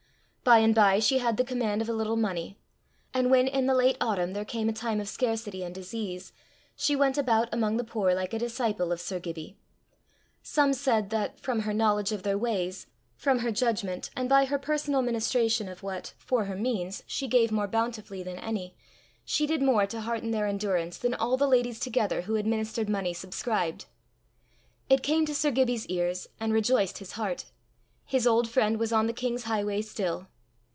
By and by she had the command of a little money; and when in the late autumn there came a time of scarcity and disease, she went about among the poor like a disciple of Sir Gibbie. Some said that, from her knowledge of their ways, from her judgment, and by her personal ministration of what, for her means, she gave more bountifully than any, she did more to hearten their endurance, than all the ladies together who administered money subscribed. It came to Sir Gibbie's ears, and rejoiced his heart: his old friend was on the King's highway still!